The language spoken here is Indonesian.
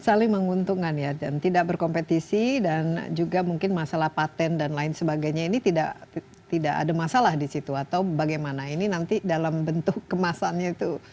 saling menguntungkan ya dan tidak berkompetisi dan juga mungkin masalah patent dan lain sebagainya ini tidak ada masalah di situ atau bagaimana ini nanti dalam bentuk kemasannya itu